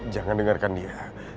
jangan dengarkan dia